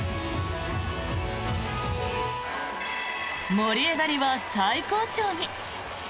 盛り上がりは最高潮に。